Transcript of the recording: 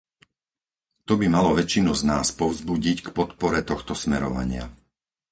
To by malo väčšinu z nás povzbudiť k podpore tohto smerovania.